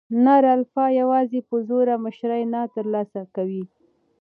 نر الفا یواځې په زور مشري نه تر لاسه کوي.